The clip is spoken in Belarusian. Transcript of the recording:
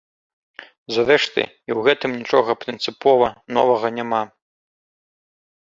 Зрэшты, і ў гэтым нічога прынцыпова новага няма.